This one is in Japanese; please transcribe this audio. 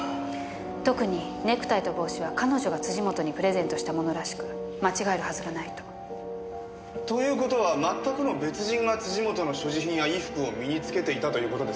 特にネクタイと帽子は彼女が本にプレゼントしたものらしく間違えるはずがないと。という事は全くの別人が本の所持品や衣服を身に着けていたという事ですか？